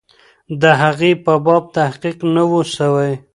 د هغې په باب تحقیق نه وو سوی.